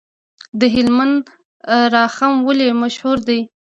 د هلمند رخام ولې مشهور دی؟